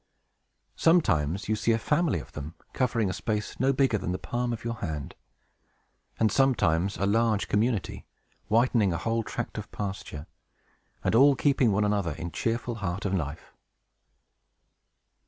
Sometimes you see a family of them, covering a space no bigger than the palm of your hand; and sometimes a large community, whitening a whole tract of pasture, and all keeping one another in cheerful heart and life.